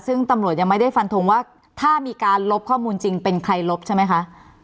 ซึ่งตำรวจยังไม่ได้ฟันทงว่าถ้ามีการลบข้อมูลจริงเป็นใครลบใช่ไหมคะ